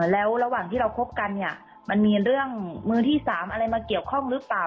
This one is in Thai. แล้วระหว่างที่เราคบกันเนี่ยมันมีเรื่องมือที่๓อะไรมาเกี่ยวข้องหรือเปล่า